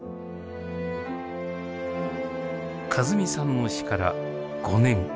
和美さんの死から５年。